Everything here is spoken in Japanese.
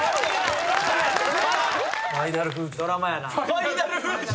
「ファイナル楓珠」！